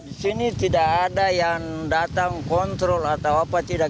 di sini tidak ada yang datang kontrol atau apa tidak